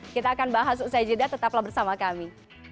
kita akan bahas usai jeda tetaplah bersama kami